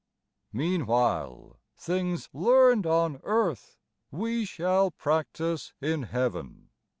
" "Meanwhile, things learned on earth We shall practice in Heaven.